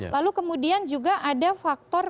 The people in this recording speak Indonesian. lalu kemudian juga ada faktor